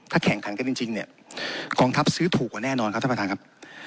แข่งขันกันจริงเนี่ยกองทัพซื้อถูกกว่าแน่นอนครับท่านประธานครับ